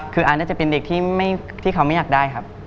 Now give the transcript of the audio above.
คืออ้านจะเป็นเด็กที่เขาไม่เอาออกให้ได้